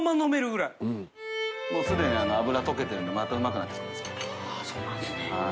もうすでに脂溶けてるんで泙うまくなってきてますよ。